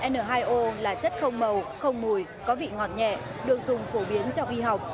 n hai o là chất không màu không mùi có vị ngọt nhẹ được dùng phổ biến cho y học